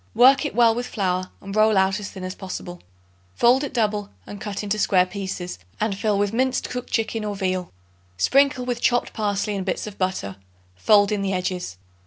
Work it well with flour and roll out as thin as possible; fold it double and cut into square pieces and fill with minced cooked chicken or veal. Sprinkle with chopped parsley and bits of butter; fold in the edges.